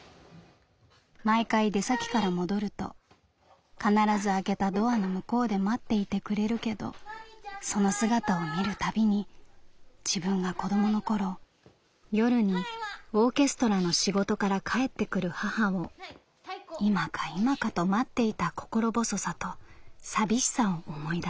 「毎回出先から戻ると必ず開けたドアの向こうで待っていてくれるけどその姿を見るたびに自分が子供の頃夜にオーケストラの仕事から帰ってくる母を今か今かと待っていた心細さと寂しさを思い出す」。